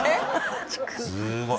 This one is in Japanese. すごい。